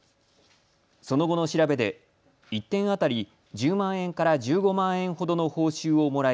その後の調べで１点当たり１０万円から１５万円ほどの報酬をもらい